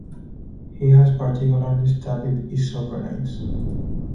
He has particularly studied isoprenoids.